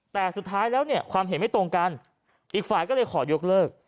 แต่สุดท้ายแล้วเนี่ยความเห็นไม่ตรงกันอีกฝ่ายก็เลยขอยกเลิก